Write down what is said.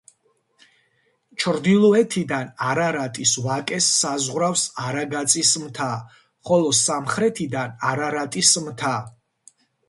ჩრდილოეთიდან არარატის ვაკეს საზღვრავს არაგაწის მთა, ხოლო სამხრეთიდან არარატის მთა.